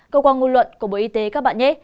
cơ quan ngôn luận của bộ y tế các bạn nhé